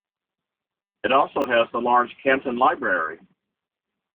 It also has the large Canton Library.